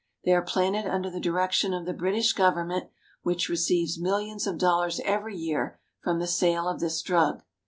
They are planted under the direction of the British government, which receives millions of dollars every year from the sale of this drug.